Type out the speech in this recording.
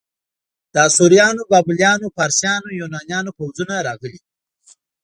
د اسوریانو، بابلیانو، فارسیانو، یونانیانو پوځونه راغلي.